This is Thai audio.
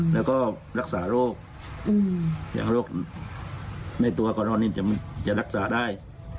แล้วก็รักษาโรคอย่างโรคในตัวของเรานี่จะรักษาได้